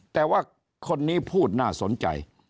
แต่ว่าคนนี้พูดน่าสนใจ